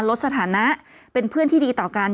ลดสถานะเป็นเพื่อนที่ดีต่อกัน